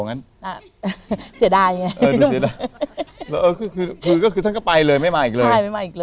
ขาดนานมาก